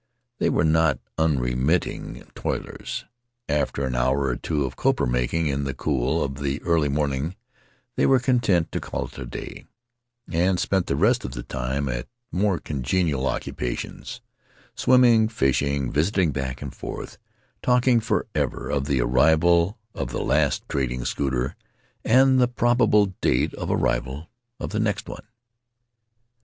They were not unremitting toilers. After an hour or two of copra making in the cool of the early morning they were content to call it a day, and spent the rest of the time at more congenial occupations — swimming, fishing, visiting back and forth, talking forever of the arrival of the last trading schooner and the probable date of arrival of the next one.